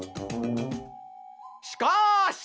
しかし！